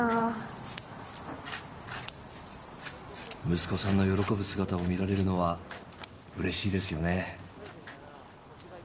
息子さんの喜ぶ姿を見られるのはうれしいですよね。